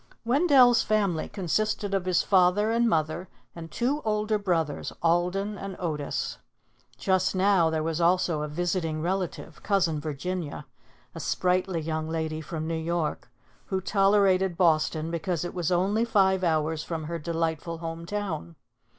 Wendell's family consisted of his father and mother and two older brothers, Alden and Otis. Just now there was also a visiting relative, Cousin Virginia, a sprightly young lady from New York, who tolerated Boston because it was only five hours from her delightful home town.